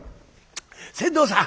「船頭さん！